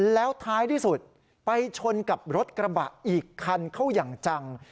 แล้วท้ายที่สุดไปชนกับรถกระบะอีกคันเข้าอย่างจัง